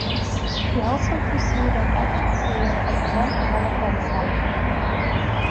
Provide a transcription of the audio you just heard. He also pursued an active career as a land developer and seller.